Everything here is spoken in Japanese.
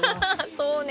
そうね。